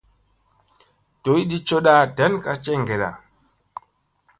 Doydi cooda ɗan kaa jeŋgeda.